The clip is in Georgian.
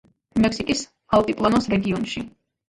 მექსიკის ალტიპლანოს რეგიონში.